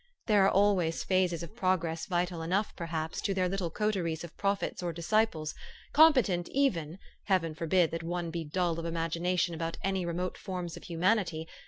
There are always phases of progress vital enough, perhaps, to their little coteries of prophets or disciples, competent, even, (Heaven forbid that one be dull of imagination about any remote forms of humanity